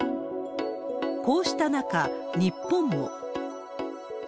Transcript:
こうした中、日本も。